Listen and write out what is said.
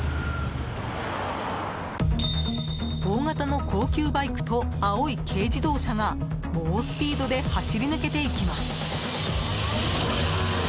大型の高級バイクと青い軽自動車が猛スピードで走り抜けていきます。